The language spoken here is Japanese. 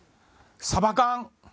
サバ缶。